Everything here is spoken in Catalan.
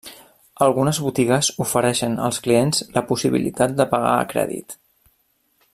Algunes botigues ofereixen als clients la possibilitat de pagar a crèdit.